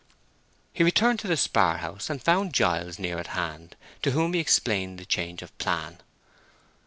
He returned to the spar house and found Giles near at hand, to whom he explained the change of plan.